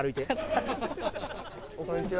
こんにちは。